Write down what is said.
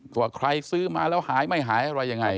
ว่าใครซื้อมาแล้วหายไม่หายอะไรยังไง